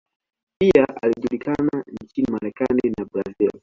Pia alijulikana nchini Marekani na Brazil.